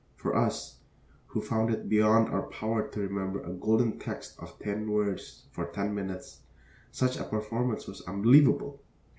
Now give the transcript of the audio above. For us, who found it beyond our power to remember a Golden Text of ten words for ten minutes, such a performance was unbelievable.